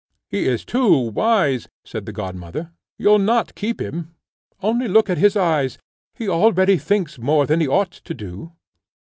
"He is too wise," said the godmother; "you'll not keep him. Only look at his eyes; he already thinks more than he ought to do."